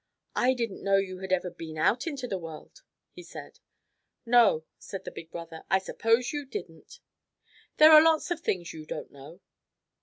"I didn't know you had ever been out into the world," he said. "No," said the big brother, "I suppose you didn't. There are lots of things you don't know."